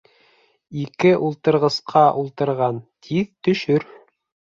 Ике ултырғысҡа ултырған тиҙ төшөр.